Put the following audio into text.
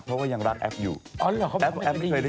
เขาไปตั้งแต่เกี่ยวกี่วัด